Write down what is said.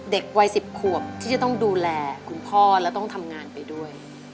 เด็กวัย๑๐ขวบที่จะต้องดูแลคุณพ่อและต้องทำงานไปด้วย